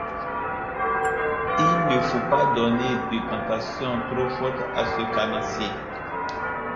Il ne faut pas donner de tentations trop fortes à ce carnassier!